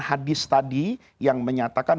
hadis tadi yang menyatakan